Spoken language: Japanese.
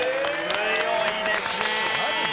強いですね。